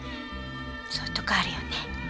そういうとこあるよね。